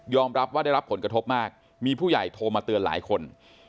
รับว่าได้รับผลกระทบมากมีผู้ใหญ่โทรมาเตือนหลายคน